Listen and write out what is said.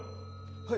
はい。